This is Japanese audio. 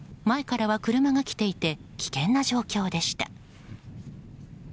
前からは車が来ていて危険な状況でした。